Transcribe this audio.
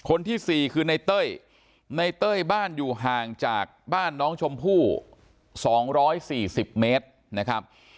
คนที่๔คือในเต้ยในเต้ยบ้านอยู่ห่างจากบ้านน้องชมพู่๒๔๐เมตรนะครับ